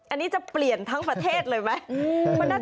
อันนี้จะเปลี่ยนทั้งประเทศเลยไหม